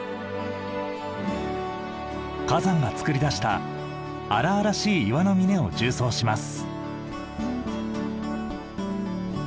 火山がつくり出した荒々しい岩の峰を縦走します。